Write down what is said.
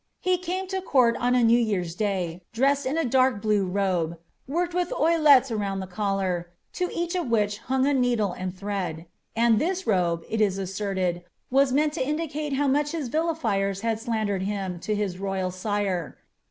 He came to court on a New year's day, dressed in a dark blue robe, worked with ailhts round the collar, to each of which hung a needle and thread ; and this rohc,' it is asserted, was meant to indicate how much his vilifiers had slandered him to his royal sire.